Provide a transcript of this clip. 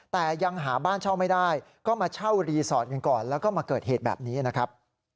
แต่ยังหาบ้านเช่าไม่ได้ก็มาเช่ารีสอร์ทกันก่อนแล้วก็มาเกิดเหตุแบบนี้นะครับ